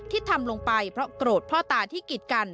ทำลงไปเพราะโกรธพ่อตาที่กิดกัน